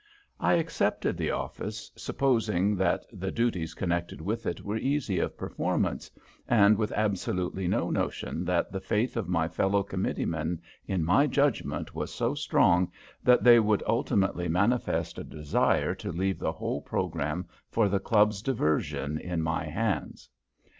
I accepted the office, supposing that the duties connected with it were easy of performance, and with absolutely no notion that the faith of my fellow committeemen in my judgment was so strong that they would ultimately manifest a desire to leave the whole programme for the club's diversion in my hands.